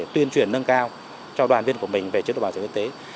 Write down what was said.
tuyên truyền nâng cao cho đoàn viên của mình về chế độ bảo hiểm y tế